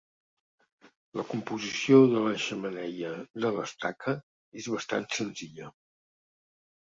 La composició de la xemeneia de l'Estaca és bastant senzilla.